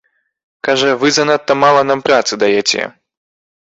Кажа, вы занадта мала нам працы даяце.